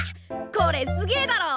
これすげえだろ。